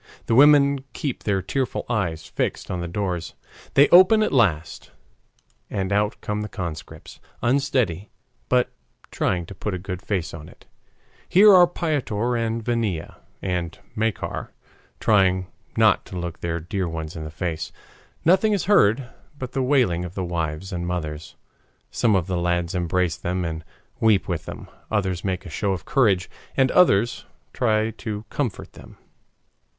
The women keep their tearful eyes fixed on the doors. They open at last, and out come the conscripts, unsteady, but trying to put a good face on it. Here are Piotr and Vania and Makar trying not to look their dear ones in the face. Nothing is heard but the wailing of the wives and mothers. Some of the lads embrace them and weep with them, others make a show of courage, and others try to comfort them.